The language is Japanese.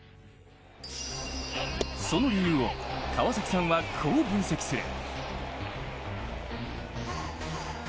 その理由を川崎さんはこう分析する。